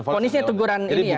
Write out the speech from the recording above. ponisnya teguran ini ya